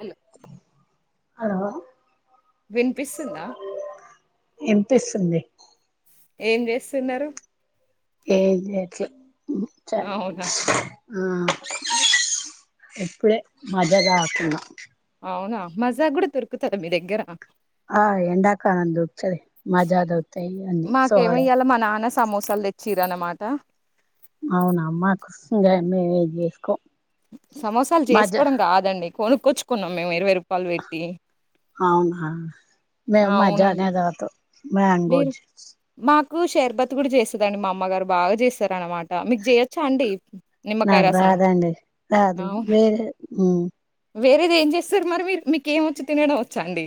అల్ hello వినిపిస్తుందా ఇన్ పిస్తుంది ఏం చేస్తున్నారు ఏం జెయట్లే అవునా [unintelligible] హమ్ ఇప్పుడే మజా తాగుతున్న అవునా మజా కూడా దొరుకుతద మీ దగ్గర ఆ ఎండాకాలం దొరుకుతది మజా దొరుకుతయి అన్నీ సో మాకేమో అలా ఇయ్యాల మా నాన్న సమోసాలు తెచ్చిర్రు అన్నమాట అవును అమ్మా కోసం [unintelligible] జెసుకో సమోసాలు చేసుకోవడం కాదండి కొనుక్కొచ్చుకున్నాం మేం ఇరువెయ్యి రూ అవునా మేము మజానే అవునండి దాగుతం మ్యాంగో జ్యూస్ కు షేర్బత్ కూడా చేస్తదండి. మా అమ్మగారు బాగా చేస్తారూ అన్న మాట మీకు చేయొచ్చా అండి. నిమ్మకాయ నాకు రసం రాదండి రాదు అవునా వేరే హ్ వేరేది. ఏం చేస్తారు మరి మీరు మీకు ఏం వోచ్చు తినడం వోచ్చా అండి.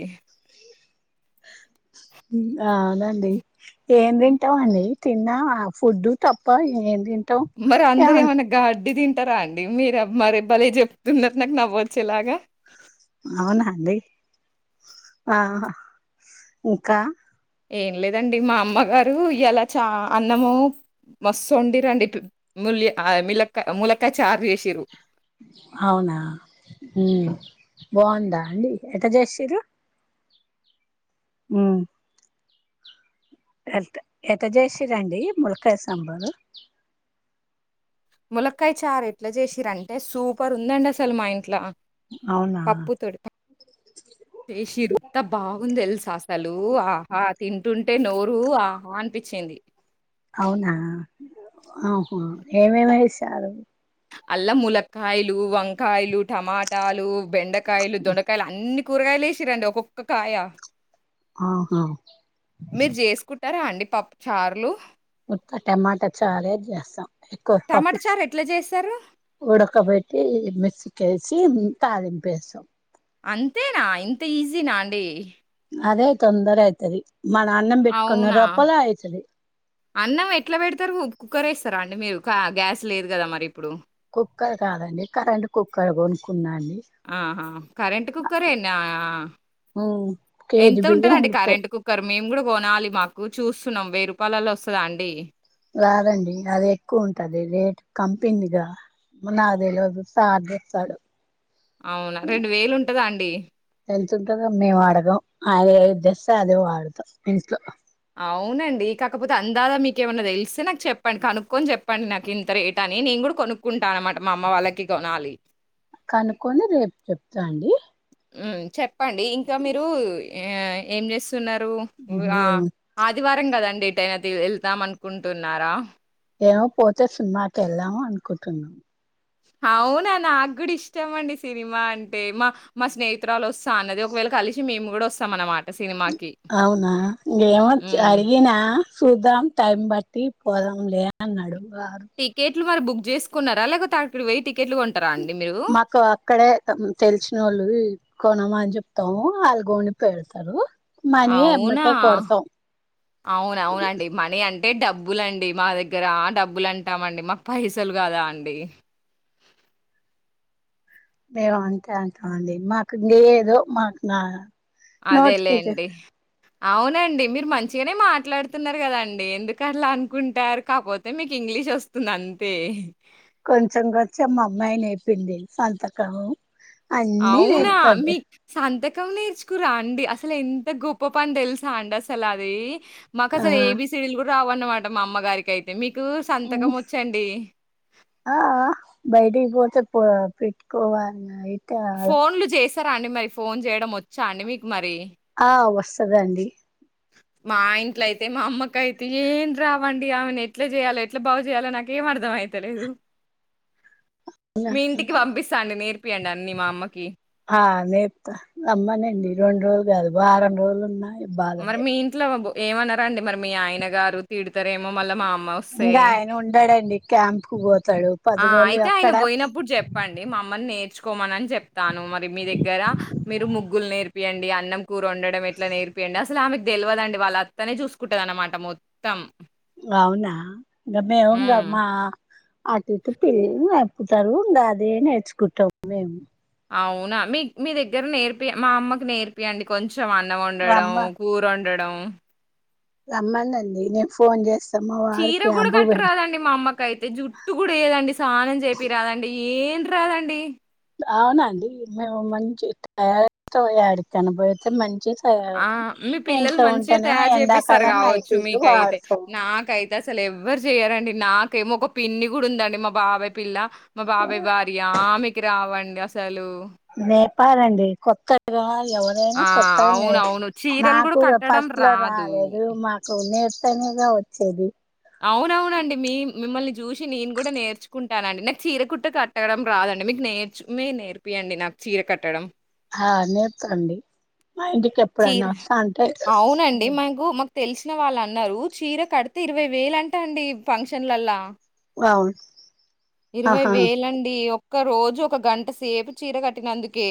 అ అవునండి ఏం తింటం అండి తిన్నా ఆ ఫుడ్డు తప్ప ఏం తి మరి అందరూ ఏమన్నా గడ్డి తిం టారా అండి. మీరు మరే బ్బలే చెప్తున్నారు. నాకు నవ్వొచ్చేలాగా అవునాండి ఆ ఇంకా ఏం లేదండి. మా అమ్మగారు ఇయాలా చ అన్నము మస్తు వండిర్రు అండి. ములియా మిలక్కయ ములక్కయ చార్ చేసిర్రు. అవునా హ్ బాగుందా అండి ఎట్లా చేసిర్రు. హ్ ఎట ఎట్లా చేసిరండి ములక్కయ సంబారు ములక్కయ చారు ఎట్లా చేసిర్రు అంటే సూపర్ ఉందండి. అసలు మా ఇంట్ల అవునా పప్పు తోటి చేసిర్రు ఎంత బాగుంది. తెలుస అసలు ఆహా తింటుంటే నోరు ఆహా అనిపించింది. అవునా ఆహ ఏమేమి వేసారు అల్ల ములక్కయలు వంకాయలు టమాటాలు బెండకాయలు దొండకాయలు అన్ని కూరగాయలు ఏసిరండి ఒక్కొక్క కాయ. ఆహా తింటారా అండి. పప్పు చారులు ఉత్త టమాట చారే జెస్తాం ఇంకొక్క టమాటా కప్పిస్ చారు ఎట్లా చేస్తారు ఉడకబెట్టి మిస్ పిసికేసి తాలింపేస్తాం. అంతేనా ఇంత ఈజీనా అండి. అదే తొందర అయితది మన అన్నం పెట్టుకునే అవునా లోపల అయితది అన్నం ఎట్లా పెడతారు కుక్కర్ రైస్ పెడతారా అండి మీరు గ్యాస్ లేదు గాదా మరి ఇప్పుడు కుక్కర్ కాదండి కరెంటు కుక్కర్ కొనుక్కున్నా అండి. ఆహా కరెంటు కుక్కర్ ఏనా కేజీ ఎంతుంట బియ్యం అండి. ఉడుకుతాయి కరెంటు కుక్కర్ మేం కూడా కొనాలి మాకు చూస్తున్నాం, వెయ్యి రూపాయలలో వస్తద అండి. రాదండి అది ఎక్కువ ఉంటది రేటు కంపెనీగా నాకు తెలవదు సార్ తెచ్చాడు. అవునా రెండు వేలు ఉంటదా అండి. ఎంతఉంటదని మేము అడగం ఆయన ఏది తెస్తే అదే వాడతాం ఇంట్లో. అవునండి కాకపోతే అందాద మీకేమైనా తెలిస్తే అవునండి కాకపోతే అందాక మీకేమన్నా తెల్సిన నాకు చెప్పండి కనుక్కొని చెప్పండి నాకు ఇంత రేట్ అని నేను కూడా కొనుక్కుంటా అన్నమాట మా అమ్మ వాళ్లకి కొనాలి. కనుక్కొని రేపు చెప్తా అండి. ఉమ్ చెప్ ప్పండి ఇంకా మీరు ఏఅ ఏం చేసు స్తున్నారు ఆ ఏమో ఆదివారం కదా అండి. ఎటైనా నా దేవ్ వెళ్దాం అనుకుంటున్నారా. ఏమో పోతే సినిమాకి వెళ్దాము అనుకుంటున్నాము. అవునా నాకు కూడా ఇష్టం అండి సినిమా అంటే మా మా స్నేహితురాలు వస్తా అన్నది ఒకవేళ కలిసి మేము కూడా వస్తాము అన్నమాట సినిమాకి. అవునా ఇంగేమో హ్మ్. అడిగినా చూద్దాం టైం బట్టి పోదాం లే అన్నాడు. వారు. కెట్లు మరి బుక్ చేసుకున్నారా లేకపోతే అక్కడికి పోయి టికెట్లు కొం మాకు అక్కడ తెలిసినోళ్లు కొనమని చెప్తాము ఆల్లు కొని పెడతారు మనీ అవునా ఎమ్మటే కొడతాం అవున్ అవునండి మనీ అం ంటే డబ్బులు అండి మా దగ్గర డబ్బులు అంటామండి మాకు పైసలు కదా అండి మేము అంతే అంటామండి. మాకు ఏదో మాకు నా అదే నోటికి లేండి అవునండి మీరు మంచిగనే మాట్లాడుతున్నారు కదా అండి. ఎందుకట్లా అనుకుంటారు కాకపోతే మీకు ఇంగ్లీష్ వస్తుంది అంతే. కొంచెం కొంచెం మా అమ్మాయి నేర్పింది సంతకము. అవునా మీక్ సంతకం కం నేర్చుకురా ఆండీ రండి అసలు ఎంత గొప్ప పని తెలుసా అండి అసలు అది. మా ఆ కసలు ఏబీసీడిలు కూడ రావన్నమాట మా అమ్మగారికి అయితే మీ ఆ ఆ బయటికి పోతే పోఎవ్ పెట్టుకోవ అన్నా హైట్ ఫోన్లు చేసి త్తర అండి మరి ఫోన్ చేయడం వచ్చా అండి మీకు మరి ఆ వస్తదండి. మా ఇంట్లో అయితే మా అమ్మక అయితే ఏం రావండి ఆమెను ఎట్లా చేయలో ఎట్లా బాగు చేయయాలో నాక ఏం అర్ధం అయితలేదు. మీ ఇంటికి పంపిస్తాండి నేర్ ఇప్పియండి అన్ని మా అమ్మకి. ఆ నేర్ ప్తా రమ్మనండి రొండు రోజులు కాదు వారం రోజులు ఉన్నా ఎప్ మరి మీ ఇంట్లో మబు ఏమన్నారండి మరి మీ ఆయన గారు తిడతారేమో మళ్ళా మా అమ్మ ఒస్తే? ఇంకా ఆయన ఉండాడండి క్యాంప్ కు పో ఆ అయితే ఆయన పోయినప్పుడు చెప్పండి మ అమ్మని నేర్చు కోమనని చెప్తాను మరి మీ దగ్గర మీరు ముగ్గులు నేర్పియండి అన్నం కూర ఉండడం ఎట్లా నేర్పింయండి అస్ అసలు ఆమెకు తెలివదండి వాళ్ళు అత్తనే చూసుకుంటది అన్నమాట మొత్తం అవునా ఇగ మే హ్మ్. ఉంగమా అటుఇటు పి నప్పుతారు అదే నేర్చుకుంటాము మేము అవునా మీ మీ దగ్గర నేర్పి మా అమ్మకి నేర్పియండి కొం కొంచం అన్నం అండడం రమ్మ కూర ఒం డడం డం రమ్మనండి నేను ఫోన్ చేస్ చీర కూడా కట్టరాదండి మా అమ్మయితే జుట్టు కూడా ఏయదండి స్నానం జెపి రాదండి ఏం రాదండి అవునండి మేము మంచి తయతో ఏడికన్నా పోయితే మంచిగా ఆ మీ పిల్లలు మంచిగా తయారు చేపిస్తారు ఎండాకాలం కావచ్చు నైటీలు మీకైతే వాడతాం నాకై అసలు ఎవ్వరు చెయ్యరండి నాకేమో ఒక పిన్ని కూడా ఉందండి మా బాబయ్ పిల్ల మా బాబాయ్ భార్య ఆమెకి రావం అసలు నేర్ ప్పాదండి కొత్తగా ఎవరైనా ఆ! కొత్తగా అవునవును. నేర్చుకో చీరలు గూడా నాకు కట్టడం ఫస్ట్ లో రాదు. రాలేదు మాకు నేర్క్ తేనేగా వచ్చేది అవునవునండి మీ మిమ్మల్ని చూసి నేను కూడా నేర్చుకుంటానండి నాకు చీర కుట్ట కట్టడం రాదండి మీకు నేర్చు నేర్పియండి నాకు చీర కట్టడం ఆ నేర్పుతా అండి మా ఇంటికి చీర ఎప్పుడన్నా వస్తా అంటే అవునండి. మాకు మాకు తెలిసిన వాళ్ళు అన్నారు చీర కడితే ఇరవై వేలు అంటా అండి ఫంక్షన్లల్లా అవును ఇరవై ఆహా వెలండి ఒక రోజు ఒక గంట సేపు చీర కట్టినందుకే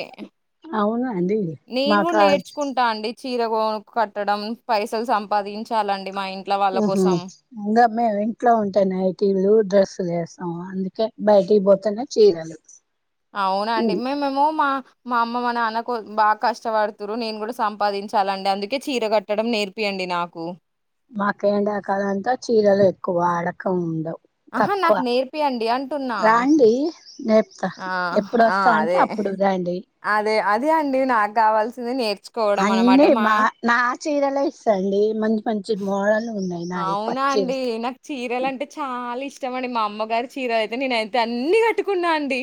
అవునండి నేను గూడా మాకడ్ నేర్చుకుంటా అండి చీర కొను కట్టడం పైసలు సంపాదించాలండి మా ఇం హ హంగ రా ఇంట్లో ఉంటానే ఐటీలు డ్రెస్ చేస్త ఆ అందుకే బయటకి పోతేనే చీరలు అవునండి మేమేమ మా మా అమ్మ మాన నాన్న బాగా కష్టపడుతురు నేను కూడా సంపాదించాలండి అందుకే చీర కట్టడం నేర్పియండి నాకు మాక ఎండాకాల అంతా చీరలు ఎక్కువ అడకం ఉండవు ఆహా తక్కువ నాకు నేర్పియండి అంటున్నా రాండి నేర్పుతా ఆ ఎప్పుడు ఆ వస్తా అంటే అదే అప్పుడు రండి అదే అదే అండి నాకు కావాల్సి నీర్ అండి మా నా చీరలే ఇస్తాండి మంచి మంచి మోడలు ఉన్నాయి నాయి అవునా పచ్చి అండి నాకు చీరలు అంటే చాలా చాలా ఇష్టమండి మా అమ్మగారు చీర అయితే నేనయితే అన్ని కట్టుకున్నా అండి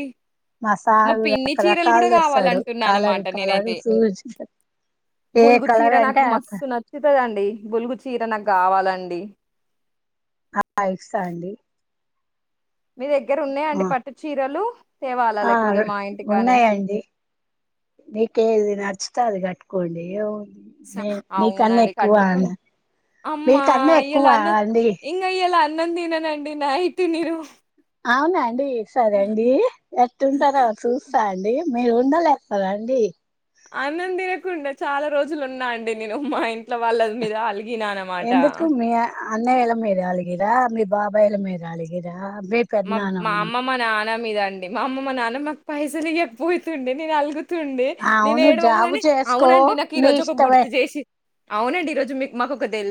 మా సారు పిన్ని చీరలు కూడా రకరకాలు ఇస్తాడు కావాలంటున్నా కలర్ అన్నమాట కలరు నేనైతే. సూ ఏ బులుగు చీర కలర్ అంటే నాకు అ మస్తు నచ్చుతదండి. బులుగు చీర నా కావాలండి అండి ఆస్తా అండి మీ దగ్గర ఉన్నాయండి ఆ పట్టు చీరలు తేవాల ఆ లేకపోతే మా ఇంటికా నుంచి ఉన్నాయండి కొండియో స అవునండి కట్టుకుండి అమ్మా మీకన్నా ఎక్కువ ఇయలా అన్న అండి ఇ ఇయలా అన్న ఇవాళ అన్నం తినను నైట్ నేను అవునండి సరే అండి ఎట్ంటారవ చూస్తా అండి అడి మీరు ఉండలేస్తారా అండి అన్నం తినకుండ చాలా రోజులు ఉన్నా అండి నేను మా ఇంట్లో వాళ్ళ మీద అలి ఎందుకు మీ అన్నయల మీద అలిగిర్రా బాబాయల మీద అలగిరా మ మా అమ్మ మా నా మీద అండి మా అమ్మ మా నాన్న మాకు పైసలు ఇయ్యక పోయితుండె నేను అలుగు తుంది నేను అవును జాబు ఏడవంగనే చేసుకో అవునండి నాకు ఈ నీ రోజు ఒక ఇష్టమే గుర్తు చేసి అవునండి ఈరోజు మీకు మాకు ఒక తెలి